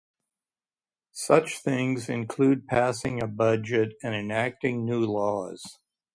Such things include passing a budget and enacting new laws.